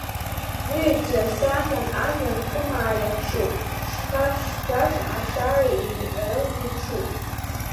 Уиеҵә џьарсахьа жәҩан хымаа иахшьуп, шьха ԥшӡаҿ ашара еимҟьара узыԥшуп!